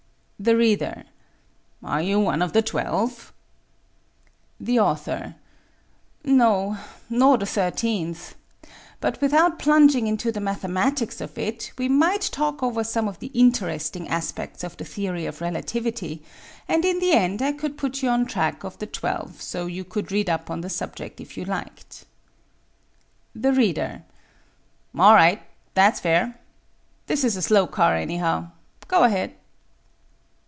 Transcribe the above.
The Reader: Are you one of the twelve? The Author: No, nor the thirteenth. But without plunging into the mathematics of it, we might talk over some of the interesting aspects of the theory of relativity and in the end I could put you on track of the twelve so you could read up on the subject if you liked. The Reader: All right. That's fair. This is a slow car anyhow. Go ahead.